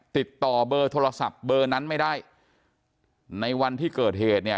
ติดต่อเบอร์โทรศัพท์เบอร์นั้นไม่ได้ในวันที่เกิดเหตุเนี่ย